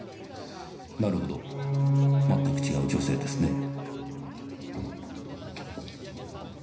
なるほどまったく違う女性ですね。